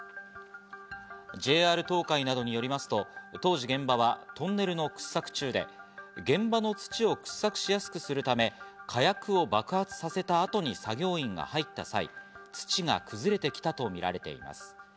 ＪＲ東海などによりますと、当時現場はトンネルの掘削中で現場の土を掘削しやすくするため火薬を爆発させた後に作業員が入った際、土が崩れてきたとみられています。